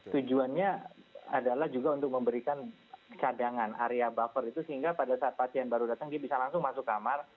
tujuannya adalah juga untuk memberikan cadangan area buffer itu sehingga pada saat pasien baru datang dia bisa langsung masuk kamar